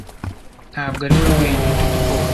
Ntabwo ari wowe wenyine ufite ubwoba